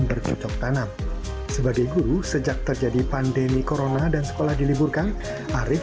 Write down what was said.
bercocok tanam sebagai guru sejak terjadi pandemi corona dan sekolah diliburkan arief